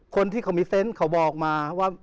คนที่เขามีเซนต์เขาบอกมาว่า